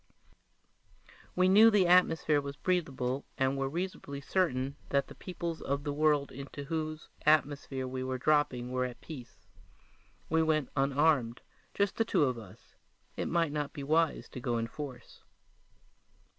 We knew that the atmosphere was breathable and were reasonably certain that the peoples of the world into whose atmosphere we were dropping were at peace. We went unarmed, just the two of us; it might not be wise to go in force.